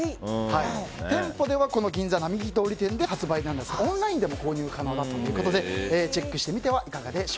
店舗では銀座並木通り店で購入できますがオンラインでも購入可能なのでチェックしてみては？